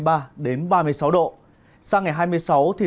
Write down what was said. sáng ngày hai mươi sáu thì nắng nóng có xu hướng